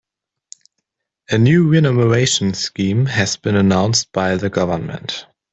A new renumeration scheme has been announced by the government.